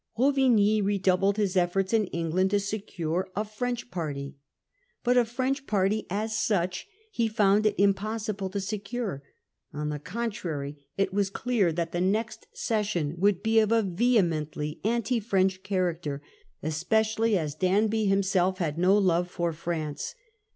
Ruvigny redoubled his efforts in England to secure a French party. But a French party, as such, he found it impossible to secure : on the contrary, it was clear that the next session would be of a vehemently anti French character, especially as Danby himself had no love for France.